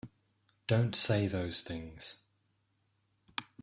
Don't say those things!